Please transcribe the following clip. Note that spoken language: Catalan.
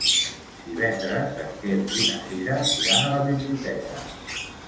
Divendres en Quer i na Cira iran a la biblioteca.